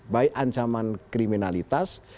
baik ancaman kriminalitas